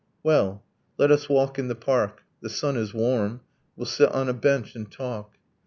. 'Well, let us walk in the park ... The sun is warm, We'll sit on a bench and talk